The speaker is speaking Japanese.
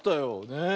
ねえ。